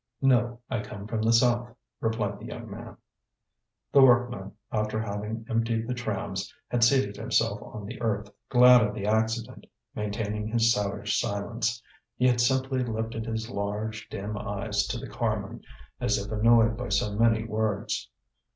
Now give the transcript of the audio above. "No, I come from the South," replied the young man. The workman, after having emptied the trams, had seated himself on the earth, glad of the accident, maintaining his savage silence; he had simply lifted his large, dim eyes to the carman, as if annoyed by so many words.